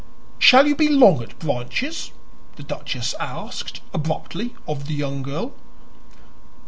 "Shall you be long at Branches?" the duchess asked, abruptly, of the young girl.